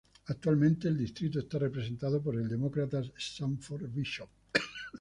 Actualmente el distrito está representado por el Demócrata Sanford Bishop.